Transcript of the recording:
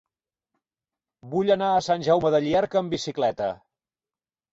Vull anar a Sant Jaume de Llierca amb bicicleta.